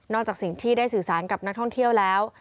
จากสิ่งที่ได้สื่อสารกับนักท่องเที่ยวแล้ว